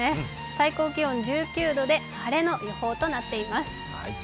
最高気温１９度で晴れの予報となっています。